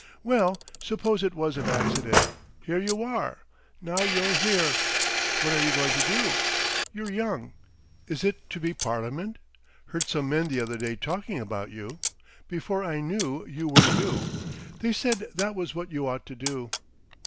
"Well, suppose it was an accident. Here you are! Now you're here, what are you going to do? You're young. Is it to be Parliament? heard some men the other day talking about you. Before I knew you were you. They said that was what you ought to do."...